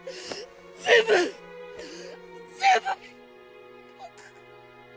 全部全部僕が。